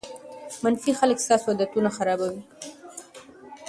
منفي خلک ستاسو عادتونه خرابوي.